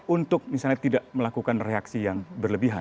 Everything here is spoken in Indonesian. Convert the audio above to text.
untuk misalnya tidak melakukan reaksi yang berlebihan